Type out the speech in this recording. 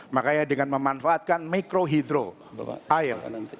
makanya dengan memanfaatkan mikro hidro air